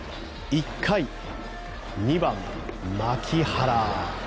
１回、２番、牧原。